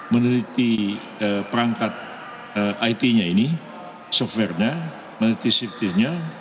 meneliti perangkat it nya ini software nya meneliti safety nya